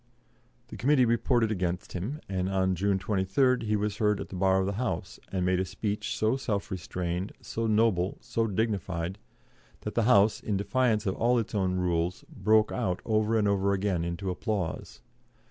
The Committee reported against him, and on June 23rd he was heard at the Bar of the House, and made a speech so self restrained, so noble, so dignified, that the House, in defiance of all its own rules, broke out over and over again into applause.